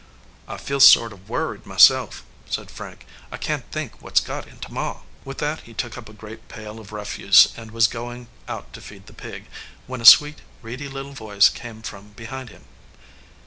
"I feel sort of worried myself," said Frank. "I can t think what s got into Ma." With that he took up a great pail of refuse and was going out to feed the pig, when a sweet, reedy little voice came from behind him.